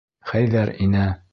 Хәйҙәр инә.